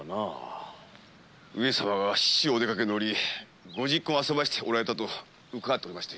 上様が市中お出かけのおりご昵懇あそばしておられたと伺っておりました